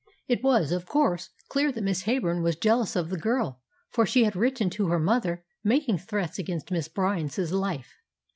"It was, of course, clear that Miss Heyburn was jealous of the girl, for she had written to her mother making threats against Miss Bryant's life.